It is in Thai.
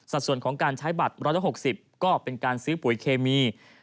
ส่วนของการใช้บัตร๑๖๐ก็เป็นการซื้อปุ๋ยเคมี